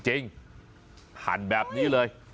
จริงหั่นแบบนี้เลย